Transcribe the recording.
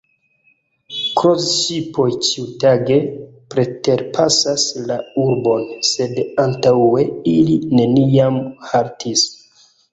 Kroz-ŝipoj ĉiutage preterpasas la urbon, sed antaŭe ili neniam haltis.